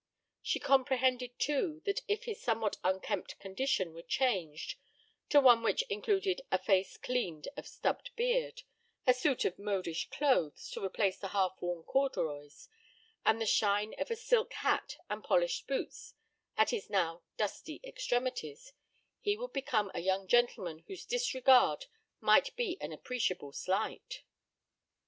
She comprehended, too, that if his somewhat unkempt condition were changed to one which included a face cleaned of stubbed beard, a suit of modish clothes to replace the half worn corduroys, and the shine of a silk hat and polished boots at his now dusty extremities, he would become a young gentleman whose disregard might be an appreciable slight.